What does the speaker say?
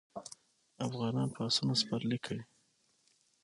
افغانان په اسونو سپرلي کوي.